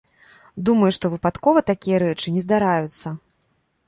Думаю, што выпадкова такія рэчы не здараюцца.